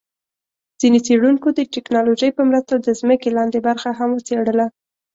ځیني څېړونکو د ټیکنالوجۍ په مرسته د ځمکي لاندي برخه هم وڅېړله